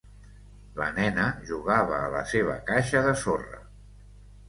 La nena jugava a la seva caixa de sorra.